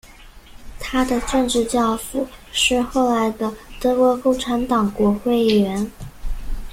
他的政治教父是后来的德国共产党国会议员。